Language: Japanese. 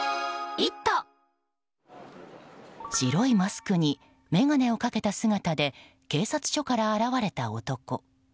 白いマスクに眼鏡をかけた姿で警察署から現れた男。